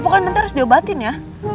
pokoknya nanti harus diobatin ya